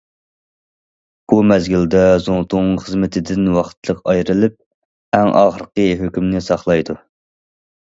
بۇ مەزگىلدە زۇڭتۇڭ خىزمىتىدىن ۋاقىتلىق ئايرىلىپ، ئەڭ ئاخىرقى ھۆكۈمنى ساقلايدۇ.